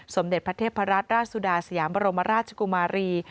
สมเด็จพระราชราชสุดาสยามรมราชกุมารี